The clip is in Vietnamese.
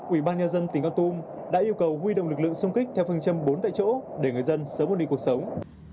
ủy ban nhà dân tỉnh hoa tùm đã yêu cầu huy động lực lượng xung kích theo phần châm bốn tại chỗ để người dân sớm uống đi cuộc sống